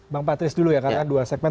bang patris dulu ya karena dua segmen